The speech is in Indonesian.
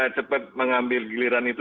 cepat mengambil giliran itu